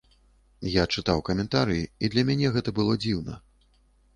Я чытаў каментарыі, і для мяне гэта было дзіўна.